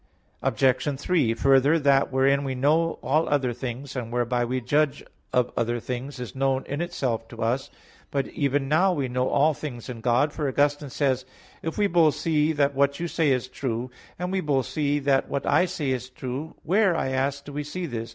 Obj. 3: Further, that wherein we know all other things, and whereby we judge of other things, is known in itself to us. But even now we know all things in God; for Augustine says (Confess. viii): "If we both see that what you say is true, and we both see that what I say is true; where, I ask, do we see this?